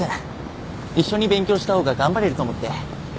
一緒に勉強した方が頑張れると思って。